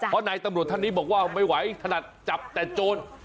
เพราะนายตำรวจท่านนี้บอกว่าไม่ไหวถนัดจับแต่โจร